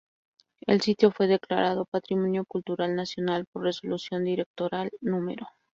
El sitio fue declarado Patrimonio Cultural Nacional por "Resolución Directoral" Núm.